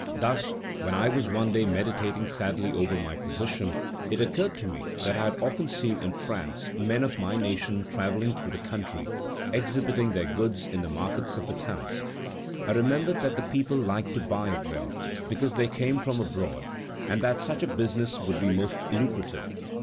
Thus when I was one day meditating sadly over my position, it occurred to me that I had often seen in France men of my nation travelling through the country exhibiting their goods in the markets of the towns. I remembered that the people liked to buy of them, because they came from abroad, and that such a business would be most lucrative.